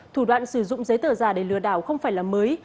thủ đoạn sử dụng giấy tờ giả để lừa đảo không phải là mới